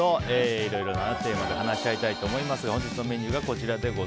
いろいろなテーマで話し合いたいと思いますが本日のメニューがこちら。